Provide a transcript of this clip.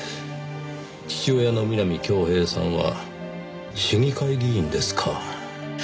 父親の南郷平さんは市議会議員ですか。